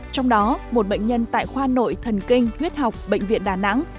trong đó một bệnh nhân tại khoa nội thần kinh huyết học bệnh viện đà nẵng